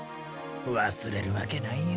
忘れるわけないよ。